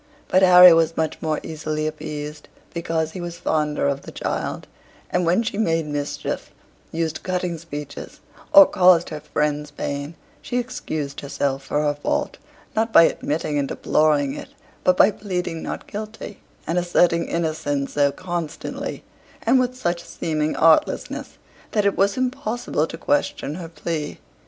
But Harry was much more easily appeased, because he was fonder of the child: and when she made mischief, used cutting speeches, or caused her friends pain, she excused herself for her fault, not by admitting and deploring it, but by pleading not guilty, and asserting innocence so constantly, and with such seeming artlessness, that it was impossible to question her plea.